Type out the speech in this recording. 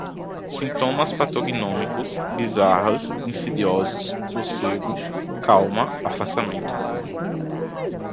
sintomas patognomônicos, bizarras, insidiosos, sossego, calma, afastamento